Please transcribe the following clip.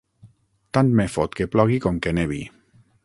Tant me fot que plogui com que nevi!